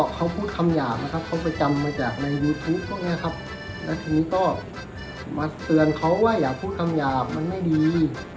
เขาพูดคำยาบนะครับจำมาในยูทูปเกี่ยวกันมาเตือนเขาว่าอย่าพูดคำยาบันให้ดี